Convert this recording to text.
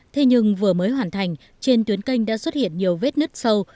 thế nhưng vừa mới hoàn thành trên tuyến canh đã xuất hiện nhiều vết nứt sâu